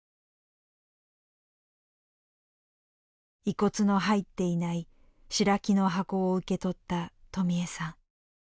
遺骨の入っていない白木の箱を受け取ったとみゑさん。